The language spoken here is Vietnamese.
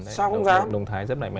sao không dám